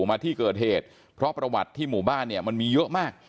มาที่เกิดเหตุเพราะประวัติที่หมู่บ้านเนี่ยมันมีเยอะมาก